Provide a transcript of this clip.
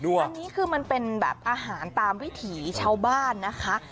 อันนี้คือมันเป็นแบบอาหารตามวิถีชาวบ้านนะคะ